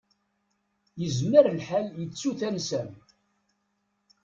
Yezmer lḥal yettu tansa-m.